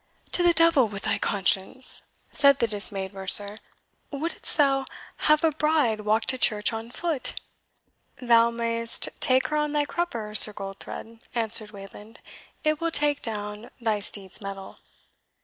"To the devil with thy conscience!" said the dismayed mercer. "Wouldst thou have a bride walk to church on foot?" "Thou mayest take her on thy crupper, Sir Goldthred," answered Wayland; "it will take down thy steed's mettle."